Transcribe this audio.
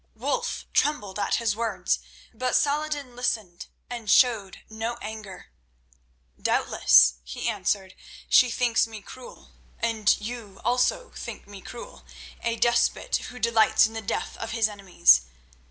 Wulf trembled at his words, but Saladin listened and showed no anger. "Doubtless," he answered, "she thinks me cruel, and you also think me cruel—a despot who delights in the death of his enemies.